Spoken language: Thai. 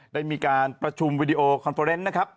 ได้มีการประชุมวิดีโอคอนเฟอร์เนส์นะครับ